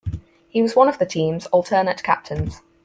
He was one of the team's alternate captains.